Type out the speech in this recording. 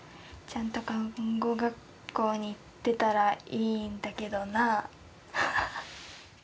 ちゃんと看護学校にいってたらいいんだけどなあ」。